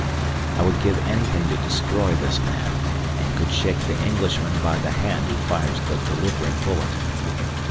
I would give anything to destroy this man, and could shake the Englishman by the hand who fires the delivering bullet!